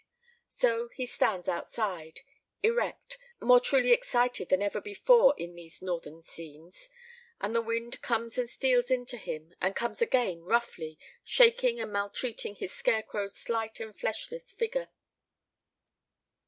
So he stands outside, erect, more truly excited than ever before in these northern scenes. And the wind comes and steals into him, and comes again roughly, shaking and maltreating his scarecrow's slight and flesh less figure.